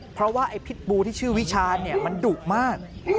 เพราะว่าไอ้พิษบูที่ชื่อวิชาเนี่ยมันดุมาก